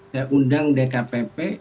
saya undang dkpp